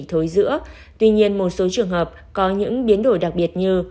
tuy nhiên một số trường hợp có những biến đổi đặc biệt như